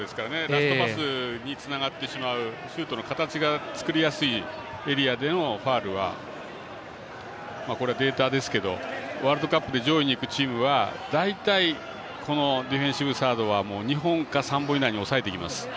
ラストパスにつながってしまうシュートの形が作りやすいエリアでのファウルは、データですがワールドカップ上位にいくチーム大体、このディフェンシブサード２本か３本以内に抑えていきます。